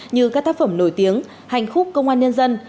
như các tác phẩm nổi tiếng hành khúc công an nhân dân